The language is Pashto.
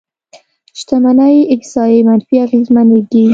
شتمنۍ احصایې منفي اغېزمنېږي.